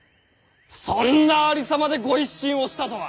そんなありさまで御一新をしたとは。